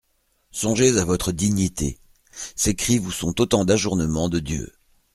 Songez à votre dignité ; ces cris vous sont autant d'ajournements de Dieu.